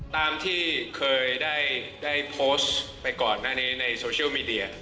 ตามที่เคยได้โพสต์ไปก่อนหน้านี้ในโซเชียลมีเดีย